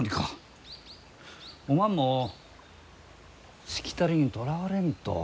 おまんもしきたりにとらわれんと。